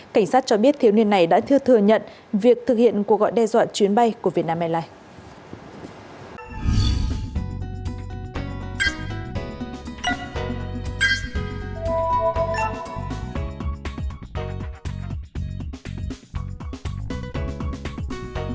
cảnh sát cho biết thiếu niên này đã thưa thừa nhận việc thực hiện cuộc gọi đe dọa chuyến bay của vietnam airlines